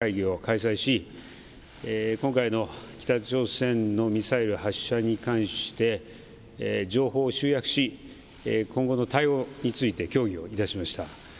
これを受けて、先ほど、国家安全保障会議を開催し、今回の北朝鮮のミサイル発射に関して、情報を集約し、今後の対応について協議をいたしました。